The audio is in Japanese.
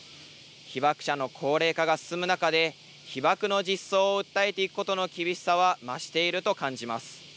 被爆者の高齢化が進む中で、被爆の実相を訴えていくことの厳しさは増していると感じます。